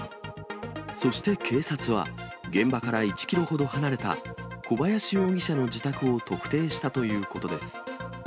そして警察は、現場から１キロほど離れた小林容疑者の自宅を特定したということです。